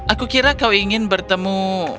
aku kira kau ingin bertemu